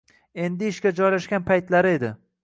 Endi ishga joylashgan paytlari edi